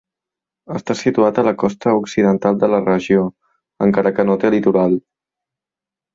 Està situat en la costa occidental de la regió encara que no té litoral.